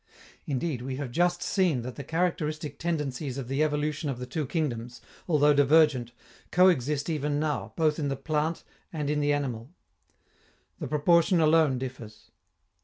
Indeed, we have just seen that the characteristic tendencies of the evolution of the two kingdoms, although divergent, coexist even now, both in the plant and in the animal. The proportion alone differs.